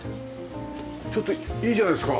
ちょっといいじゃないですか。